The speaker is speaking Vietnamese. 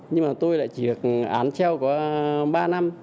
nhưng mà tôi lại chỉ được án treo có ba năm